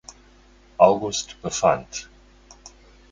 August befand.